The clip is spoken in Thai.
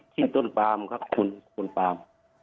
ที่ต้นปลามครับคุณคุณปลาม